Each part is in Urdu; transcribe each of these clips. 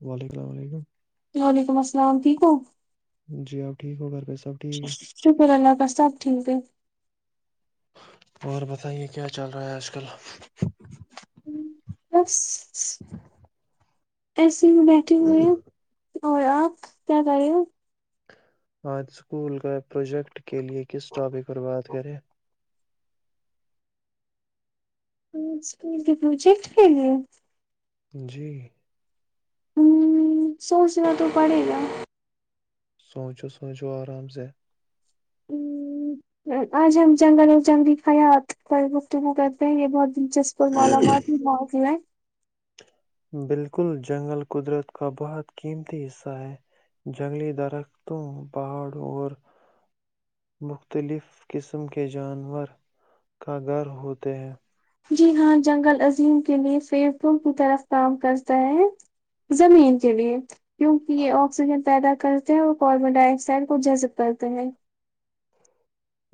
وعلیکم السلام علیکم وعلیکم السلام ٹھیک ہ جی آپ ٹھیک ہو گھر پہس شکر اللہ کا سب ٹھیک ہے اور بتائیے کیا چل رہا ہے آج کل بس اسس [inaudible] میں بیٹھے ہوئے ہیں ہو آ کیا کر رہی ہو آج اسکول کا پروجیکٹ کے لیے کس ٹاپک پر بات کریں آجک پروجٹ رہ جی ہوں سوچنا تو پڑے گا سوچو سوچو آام ز ہ آج ہم جنگل اور جنگی خیات پر گفتگو کرتے ہیں یہ بہت چر اسکول ملا مات ہی بک ل بالکل جنگل قدرت کا بہت قیمتی حصہ ہے جنگلی درختوں پہاڑوں اور مختلف قسم کے جانور کا گھر ہوتے ہیں جی ہاں جنگل عظیم کے لیے سوں کی طرف کام کرتا ہے زمین کے لیے کیونکہ یہ آکسیجن پیدا کرتے ہیں اور کاربن ڈائی آکسائڈ کو جزب کرتے ہیں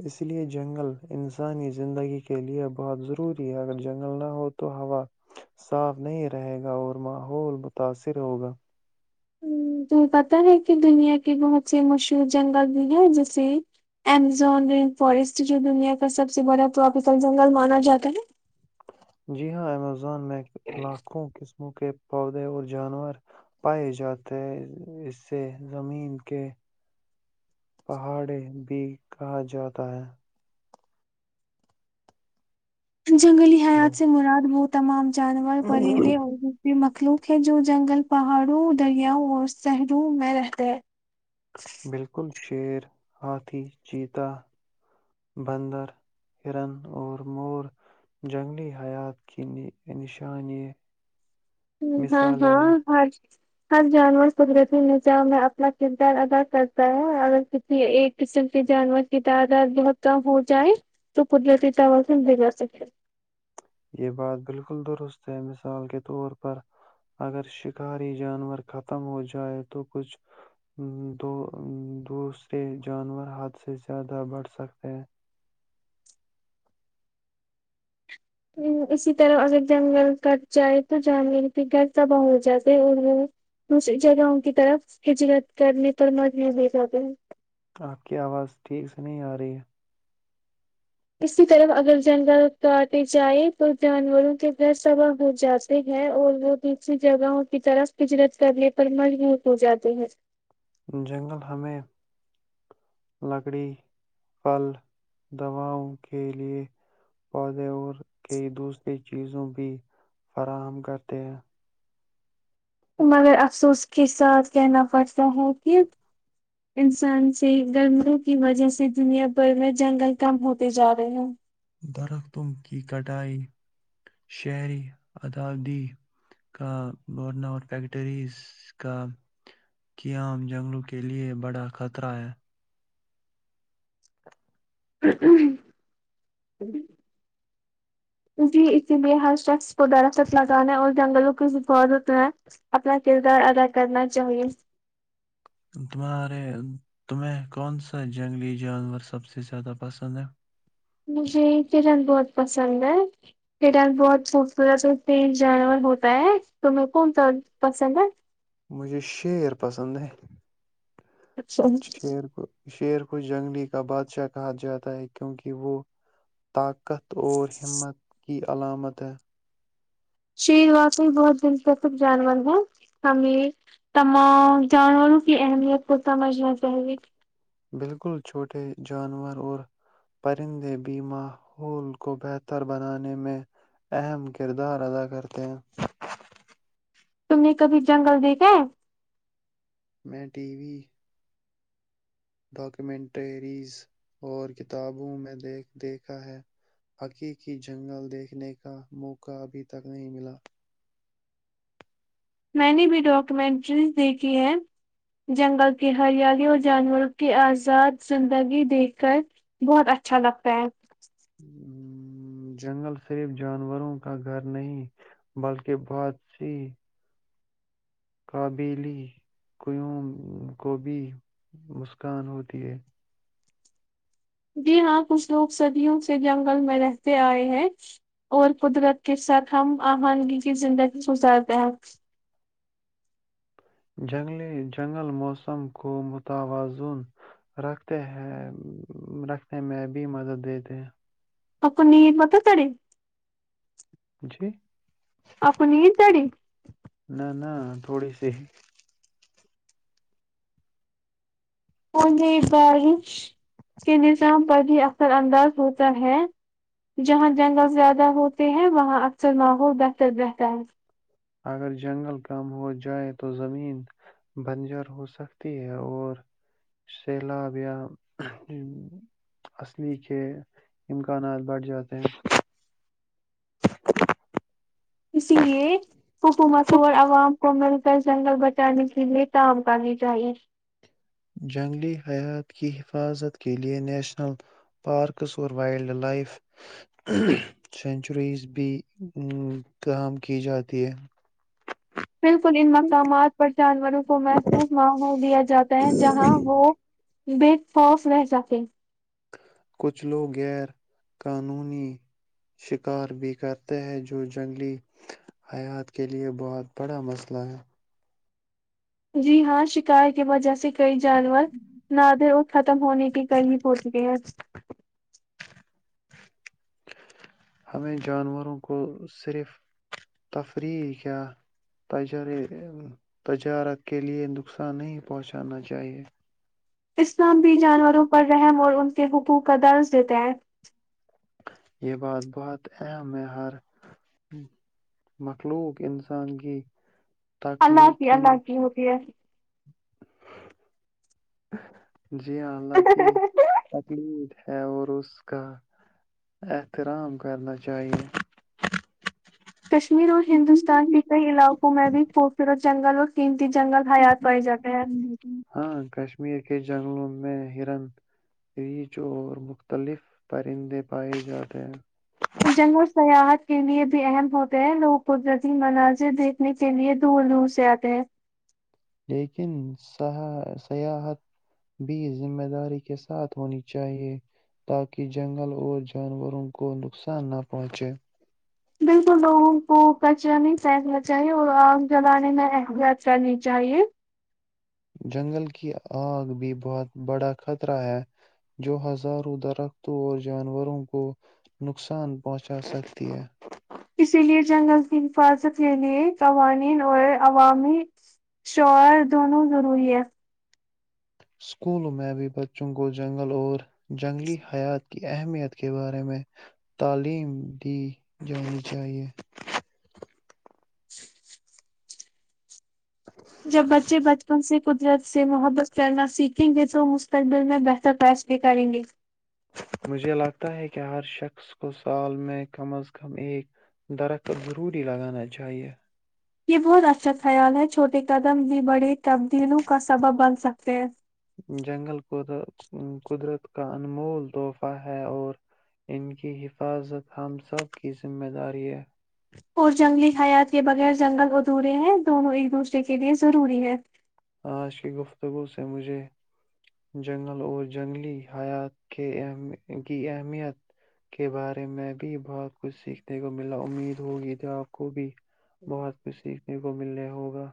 اس لے جنگل انسانی زندگی کےلئے بہت ضروری ہے اگر جنگل نہ ہو تو ہوا صاف نہیں رہے گا اور ماحول متاثر ہوگا تو پتتا ہے کہ دنیا کے بہت سے مشہور جنگل بھی ہیں جیسے ایمزون رین فارسٹ جو دنیا کا سب سے بڑا ٹراپیکل جنگل مانا جاتا ہے جی ہاں امیزون میں لاکھوں قسموں کے پودے اور جانور پائے جاتے ہیں اس سے زمین کے پہاڑے بھی کہا جاتا ہے جنگلی ہلو۔ حیات سے مراد بہت تمام جانور پرندے اور مخلوق ہے جو جنگل پہاڑوں دریاؤ اور شہروں میں رہتے ہیں بالکل شیر ہاتھی چیتا بندر ہرن اور مور جنگلی حیات کی نشان ہ ہاں ہاں ہاں ہر جانور قدرتی نظام میں اپنا کردار ادا کرتا ہے اگر کسی ایک قسم کے جانور کی تعداد بہت کم ہو جائے تو قدرتی توازع بھیے جا سکے یہ بات بالکل درست ہے مثال کے طور پر اگر شکاری جانور ختم ہو جائے تو کچھ دو دوسرے جانور حد سے زیادہ بڑھ سکتے ہیں اسی طرح اگر جنگل کٹ جائے تو جانور کے گھر تباہ ہو جاتے ہیں اور وہ دوسری جگہوں کی طرف ہچرت کرنے پر مز نہیں دے جاتے ہیں آپ کی آواز ٹھیک سے نہیں آ رہی ہے اسی طرف اگر جنگل اتارے جائیں تو جانوروں کے گھر صبا ہو جاتے ہیں اور وہ دوسری جگہوں کی طرف ہجرت کرنے پر مجبوط ہو جاتے ہیں جنگل ہمیں لکڑی پھل دواوں کے لیے پودے اور کئی دوسری چیزوں بھی فراہم کرتے ہیں مگر افسوس کے ساتھ کہنا پرتا ہو کہ انسان سے گرمیوں کی وجہ سے دنیا بھر میں جنگل کم ہوتے جا رہے ہ درختوں کی کٹائی شہری ادی کا بورنور فیکٹریز کا قیام جنگلوں کے لیے بڑا خطرہ ہے [unintelligible] جی اسی لیئے ہر شخص کو درخت لگانے اور جنگلوں کی ضفظت میں اپنا کردار ادا کرنا چاہیئے تمہارے تمہیں کون سا جنگلی جانور سب سے زیادہ پسند ہے مجھے کرن بہت پسند ہے کرن بہت خوبصورت اور ت جانور ہوتا ہے تہیں کون سا پسند ہے مجھے شیر پسند ہے اچھا شیر کو شیر کو جنگلی کا بادشاہ کہا جاتا ہے کیونکہ وہ طاقت اور ہمت کی علامت ہے شیر واقعی بہت دلچسپ جانور ہے ہمیں تمام جانوروں کی اہمیت کو سمجھنا چاہیے بالکل چھوٹے جانور اور پرندے بھی ماحول کو بہتر بنانے میں اہم کردار ادا کرتے ہیں تم نے کبھی جنگل دیکھا ہے ٹی وی ڈاکیومنٹریز اور کتابوں میں دیکھا ہے حقیقی جنگل دیکھنے کا موقع ابھی تک نہیں ملا میں نے بھی ڈاکومینٹریز دیکھی ہے جنگل کے ہریالی اور جانوروں کے آزاد زندگی دیکھ کر بہت اچھا لگتا ہے جنگل صرف جانوروں کا گھر نہیں بلکہ بہت سی قابلی قوں کو بھی مسکان ہوتی ہے جی ہاں کچھ لوگ صدیوں سے جنگل میں رہتے آئے ہیں اور قدرت کے ساتھ ہم آہنگی کی زندگی گزارتے ہیں جنگل موسم کو متوازن رکھتے ہے رکھنے میں بھی مدد دیتے ہیں آپ کو نیند مت نا چڈی [unintelligible] آپکو نیند چڈی نہ نہ تھوڑی سی اور نئی بارش کے نظام پر بھی اکثر انداز ہوتا ہے جہاں جنگل زیادہ ہوتے ہیں وہاں اکثر ماحول بہتر رہتا ہے اگر جنگل کم ہو جائے تو زمین بنجر ہو سکتی ہے اور سیلاب یا اصلی کے امکانات بڑھ جاتے ہیں اسی لیے حکومتوں اور عوام کو مل کر جنگل بچانے کے لیے کام کرنی چاہیے جنگلی حیات کی حفاظت کیلئے نیشنل پارکس اور وائلڈ لائف سنچرییز بھی کام کی جاتی ہیں بالکل ان مقامات پر جان وروں کو محفوظ ماحول دیا جاتا ہے جہاں وہ بے خوف رہ سکے کچھ لوگ غیر قانونی شکار بھی کرتے ہیں جو جنگلی حیات کےلئے بہت بڑا مسئلہ ہے جی ہاں شکار کی وجہ سے کئی جانور نادر اور ختم ہونے کی قریب پہچکے ہیں ہمیں جانوروں کو صرف تفریح یا تجارت کے لیئے نقصان نہیں پہنچانا چاہیے اسلام بھی جانوروں پر رحم اور ان کے حقوق کا درس دیتا ہیں یہ بات بہت اہم ہے ہر مخلوق انسان کی اللہ کی تخلیقی اللہ کی ہوتی ہے [inaudible] جی ہاں اللہ کی تخلیق ہے اور اس کا احترام کرنا چاہیے کشمیر اور ہندوستان کے کئی علاقوں میں بھی خوپھروں اور جنگل اور کیی جنگل حیات پائی جاتے ہیں ہاں کشمیر کے جنگلوں میں ہرن ریچ اور مختلف پرندے پائے جاتے ہیں جنگ سیاحت کے لیے بھی اہم ہوتے ہیں لوگ قدرتی مناظر دیکھنے کے لیے دور دور سے آتے ہیں لیکن سیاحت بھی ذمہ داری کے ساتھ ہونی چاہیے تاکہ جنگل اور جانوروں کو نقصان نہ پہنچے بالکل لوگوں کو کچرا نہیں پھینکنا چاہیے اور آگ جلانے میں احتیات کرنی چاہیے جنگل کی آگ بھی بہت بڑا خطرہ ہے جو ہزاروں درختوں اور جانوروں کو نقصان پہنچا سکتی ہے اسی لئے جنگل کی حفاظت کے لیئے قوانین اور عوامی شعار دونوں ضروری ہے سکولوں میں بھی بچوں کو جنگل اور جنگلی حیات کی اہمیت کے بارے میں تعلیم دی جانی چاہیئے جب بچے بچپن سے قدرت سے محبت کرنا سیکھیں گے تو مستقبل میں بہتر فیسلے کریں گے مجھے لگتا ہے کہ ہر شخص کو سال میں کم از کم ایک درخت ضروری لگانا چاہیئے یہ بہت اچھا خیال ہے چھوٹے قدم بھی بڑے تبدیلوں کا سبب بن سکتے ہیں جنگل قد قدرت کا انمول تحفہ ہے اور ان کی حفاظت ہم سب کی ذمہ داری ہے اور جنگلی حیات کے بغیر جنگل ادھورے ہیں دونوں ایک دوسرے کے لیے ضروری ہے آج کی گفتگو سے مجھے جنگل اور جنگلی حیات کے ا کی اہمیت کے بارے میں بھی بہت کچھ سیکھنے کو ملا امید ہوگی ت آپ کو بھی بہت خوشی کو ملنے ہوگا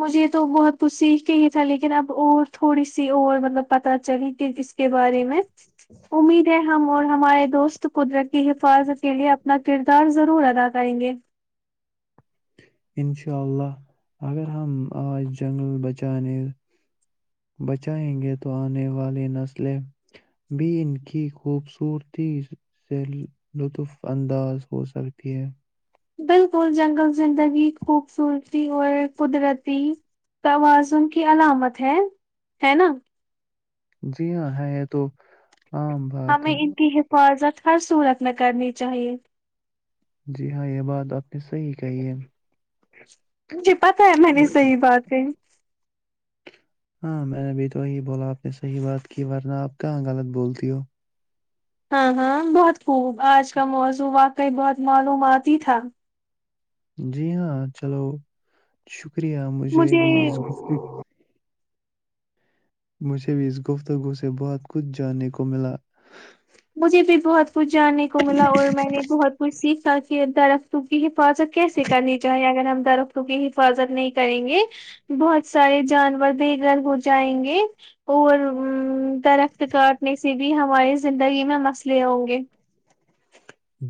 مجھے یہ تو بہت کچھ سیکھ کے ہی تھا لیکن اب اور تھوڑی سی اور مطلب پت چلی کہ اس کے بارے میں امید ہے ہم اور ہمارے دوست قدرتی کی حفاظت کے لیے اپنا کردار ضرور ادا کریں گے انشاء اللہ اگر ہم آج جنگل بچانے بچائیں گے تو آنے والی نسلیں بھی ان کی خوبصورتی سے لطف انداز ہو سکتی ہے بالکل جنگل زندگی خوبصورتی اور قدرتی توازن کی علامت ہے ہے نا جی ہاں ہے یہ تو عام بات ہمیں ہے ان کی حفاظت ہر صورت میں کرنی چاہیے جی ہاں یہ بات آپ صحیح کہیے [unintelligible] مجھے پتا ہے میں نے صحیح بات ہے ہاں میں نے ابھی تو وہی بولا آپ نے صحی بات کی ورنہ آپ کہاں غلط بولتی ہو ہاں ہاں بہت خوب آج کا موزم واقعی بہت معلومات ہی تھا جی ہاں چلو شک شکریہ مجھے بھی اس گفتو مجھے بھی اس گفتگو سے بہت کچھ جاننے کو ملا مجھے بھی بہت کچھ جانے کو ملا اور میں نے بہت کچھ سیکھا کہ درختوں کی حفاظت کیسے کرنی چاہیے اگر ہم درختوں کی حفاظت نہیں کریں گے بہت سارے جانور بے گھر ہو جائیں گے اور درخت کاٹنے سے بھی ہماری زندگی میں مسئلے ہوں گے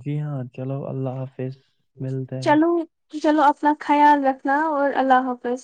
جی ہاں چلو اللہ حافظ ملتے ہیں تو چلو اپنا خیال رکھنا اور اللہ حافظ